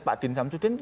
pak din samsudin